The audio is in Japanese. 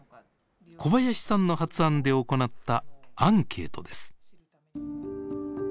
小林さんの発案で行ったアンケートです。